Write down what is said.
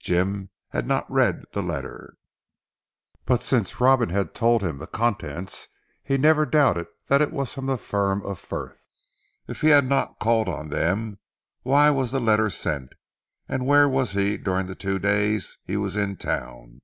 Jim had not read the letter, but since Robin had told him the contents he never doubted that it was from the firm of Frith. If he had not called on them, why was the letter sent, and where was he during the two days he was in Town?